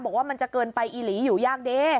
บอกว่ามันจะเกินไปอีหลีอยู่ยากเด้